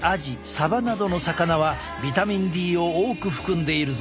さばなどの魚はビタミンＤを多く含んでいるぞ。